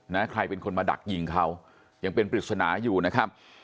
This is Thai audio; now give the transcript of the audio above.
นะฮะใครเป็นคนมาดักยิงเขายังเป็นรภิกษณะอยู่นะครับ